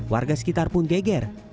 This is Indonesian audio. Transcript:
warga sekitar pun geger